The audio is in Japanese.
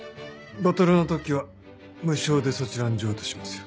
ボトルの特許は無償でそちらに譲渡しますよ。